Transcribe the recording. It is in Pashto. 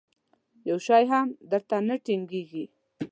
یو شی هم در ته نه ټینګېږي.